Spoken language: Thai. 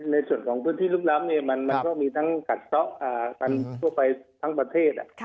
ในพื้นที่ลุกล้ำมันก็มีทั้งกัดซ้อกันทั่วไปทั้งประเทศ